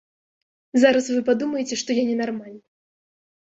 Зараз вы падумаеце, што я ненармальны.